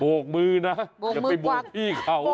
โบกมือวักษณ์จะไปโบกพี่เขา